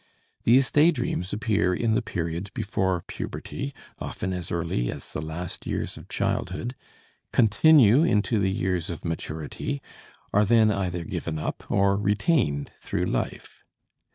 These day dreams appear in the period before puberty, often as early as the last years of childhood, continue into the years of maturity, are then either given up or retained through life.